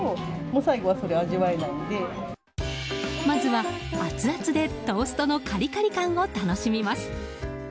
まずはアツアツで、トーストのカリカリ感を楽しみます。